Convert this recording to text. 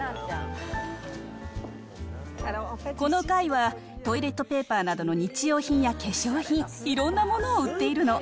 この階はトイレットペーパーなどの日用品や化粧品、いろんなものを売っているの。